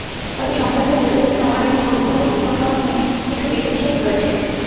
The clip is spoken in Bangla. তবে সন্তানদের হেফাজতে নেওয়া এবং অভিভাবক নিয়োগ হওয়া নিয়ে কিছু বিধিনিষেধ রয়েছে।